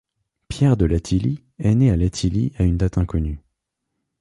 Pierre de Latilly est né à Latilly à une date inconnue.